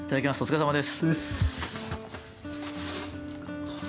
お疲れさまです。